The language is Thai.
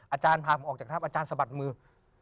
อาจารย์พาผมออกจากถ้ำอาจารย์สะบัดมือ